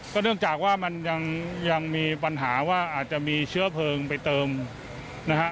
เนื่องจากว่ามันยังมีปัญหาว่าอาจจะมีเชื้อเพลิงไปเติมนะฮะ